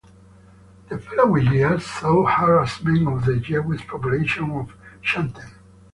The following years saw harassment of the Jewish population of Xanten.